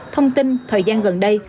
thông tin thời gian gần đây